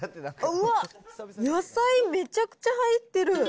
うわっ、野菜、めちゃくちゃ入ってる。